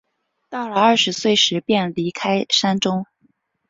到了二十岁时便离开山中。